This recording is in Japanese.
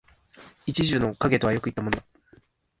一樹の蔭とはよく云ったものだ